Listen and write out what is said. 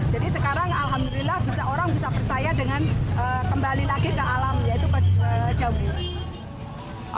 jadi sekarang alhamdulillah orang bisa percaya dengan kembali lagi ke alam yaitu jamu